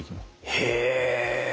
へえ！